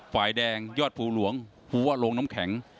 ฝ่ายแดงยอดภูหลวงภูวะโรงน้ำแข็ง